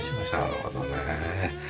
なるほどね。